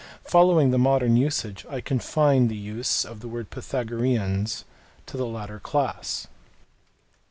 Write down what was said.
Following the modern usage I confine the use of the word Pythagoreans to the latter class.